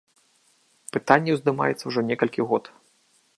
Пытанне ўздымаецца ўжо некалькі год.